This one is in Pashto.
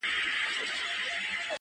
تا د جنگ لويه فلـسفه ماتــه كــړه؛